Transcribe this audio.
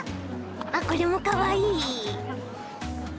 あっこれもかわいい。